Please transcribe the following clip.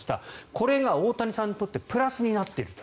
これが大谷さんにとってプラスになっていると。